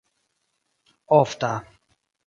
ofta